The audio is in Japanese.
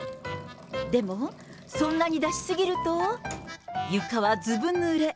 でもそんなに出し過ぎると、床はずぶぬれ。